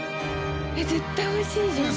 絶対美味しいじゃん。